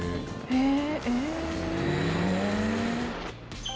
へえ。